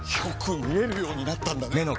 よく見えるようになったんだね！